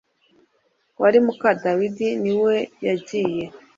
wari muka Dawidi niwe yagiye.